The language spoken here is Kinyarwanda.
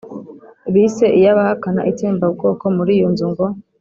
bise iy'abahakana itsembabwoko muri iyo nzu. ngo